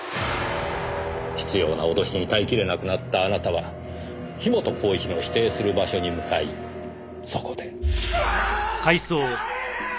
執拗な脅しに耐え切れなくなったあなたは樋本晃一の指定する場所に向かいそこで。